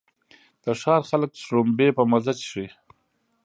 د ښار خلک شړومبې په مزه څښي.